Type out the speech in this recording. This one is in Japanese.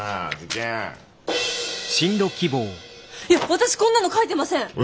いや私こんなの書いてません。